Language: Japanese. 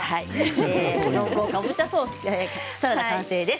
サラダ完成です。